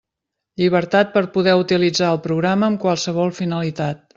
Llibertat per poder utilitzar el programa amb qualsevol finalitat.